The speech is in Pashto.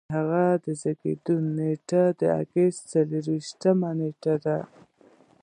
د هغه د زیږیدو نیټه د اګست څلور ویشتمه ده.